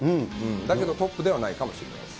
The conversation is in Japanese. だけどトップではないかもしれないです。